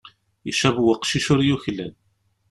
Icab weqcic ur yuklal.